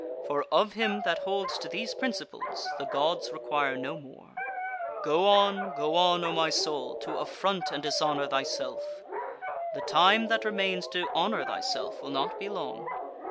For of him that holds to these principles the Gods require no more. 6. Go on, go on, O my soul, to affront and dishonour thyself! The time that remains to honour thyself will not be long.